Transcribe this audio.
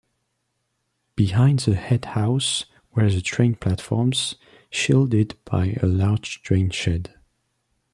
Behind the head house were the train platforms, shielded by a large train shed.